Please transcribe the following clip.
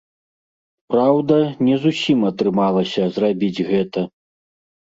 Праўда, не зусім атрымалася зрабіць гэта.